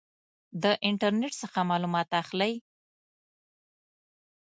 د انټرنټ څخه معلومات اخلئ؟